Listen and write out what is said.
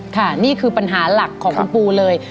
ค่ะนี่คือปัญหาหลักของคุณปูเลย